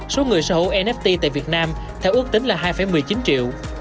số người sở hữu nft tại việt nam theo ước tính là hai một mươi chín triệu